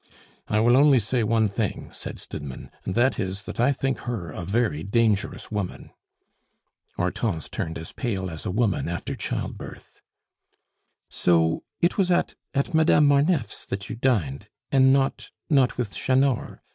"I will only say one thing," said Stidmann, "and that is, that I think her a very dangerous woman." Hortense turned as pale as a woman after childbirth. "So it was at at Madame Marneffe's that you dined and not not with Chanor?"